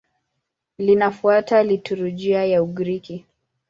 Linafuata liturujia ya Ugiriki.